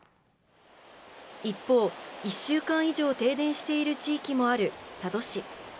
一方、１週間以上、停電している地域もある佐渡市。